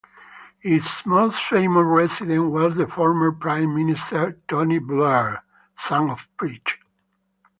Its most famous resident was the former Prime Minister, Tony Blair.